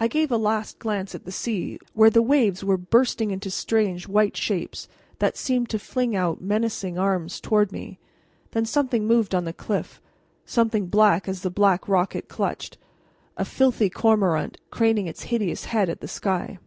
I gave a last glance at the sea, where the waves were bursting into strange white shapes that seemed to fling out menacing arms toward me. Then something moved on the cliff, something black as the black rock it clutched a filthy cormorant, craning its hideous head at the sky.